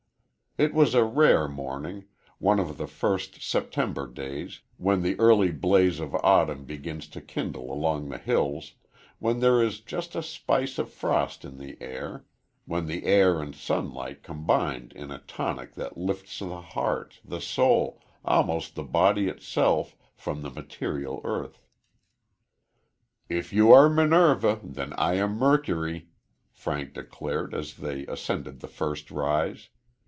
It was a rare morning one of the first September days, when the early blaze of autumn begins to kindle along the hills, when there is just a spice of frost in the air, when the air and sunlight combine in a tonic that lifts the heart, the soul, almost the body itself, from the material earth. "If you are Minerva, then I am Mercury," Frank declared as they ascended the first rise.